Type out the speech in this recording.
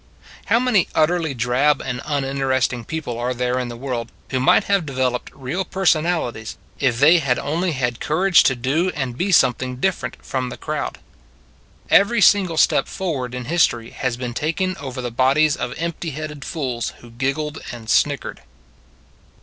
How many utterly drab and uninterest ing people are there in the world who might have developed real personalities if they had only had courage to do and be something different from the crowd. Every single forward step in history has been taken over the bodies of empty headed fools who giggled and snickered.